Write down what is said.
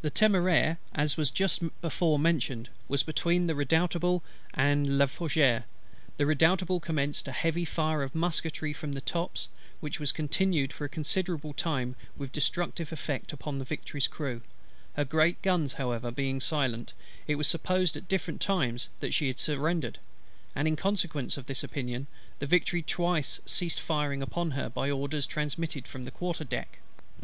The Temeraire, as was just before mentioned, was between the Redoutable and La Fougueux. The Redoutable commenced a heavy fire of musketry from the tops, which was continued for a considerable time with destructive effect to the Victory's crew: her great guns however being silent, it was supposed at different times that she had surrendered; and in consequence of this opinion, the Victory twice ceased firing upon her, by orders transmitted from the quarter deck.